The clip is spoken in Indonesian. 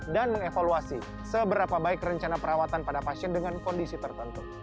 dan mengevaluasi seberapa baik rencana perawatan pada pasien dengan kondisi tertentu